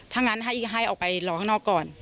ถ้างั้นให้ออกไปรอข้างนอกก่อน